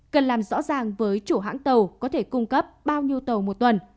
cần làm rõ ràng với chủ hãng tàu có thể cung cấp bao nhiêu tàu một tuần